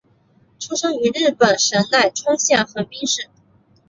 出生于日本神奈川县横滨市。